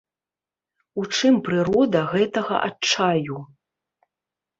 У чым прырода гэтага адчаю?